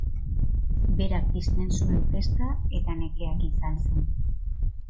Berak pizten zuen festa eta nekeak itzaltzen.